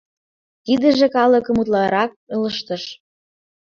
Тидыже калыкым утларак ылыжтыш.